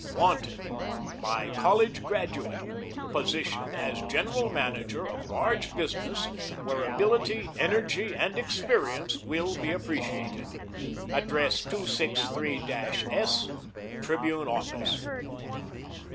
WANTED By College Graduate Position as General Manager of Large Business where ability, energy and experience will be appreciated. Address 263 S, Tribune Office.